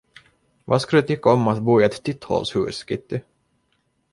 Vad skulle du tycka om att bo i ett titthålshus, Kitty?